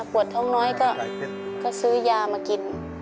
ปวดท้องน้อยก็ซื้อยามากิน